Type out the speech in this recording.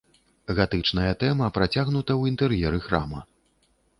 Гатычная тэма працягнута ў інтэр'еры храма.